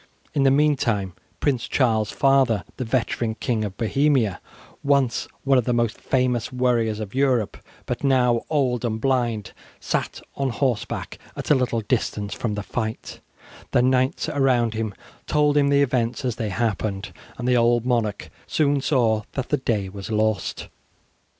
In the meantime Prince Charles's father, the veteran King of Bohemia, once one of the most famous warriors of Europe, but now old and blind, sat on horseback at a little distance from the fight; the knights around him told him the events as they happened, and the old monarch soon saw that the day was lost.